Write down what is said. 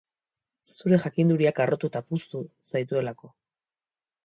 Zure jakinduriak harrotu eta puztu zaituelako.